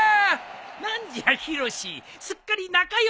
何じゃヒロシすっかり仲良しじゃのう。